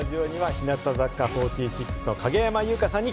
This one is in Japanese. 日向坂４６の影山優佳さんに。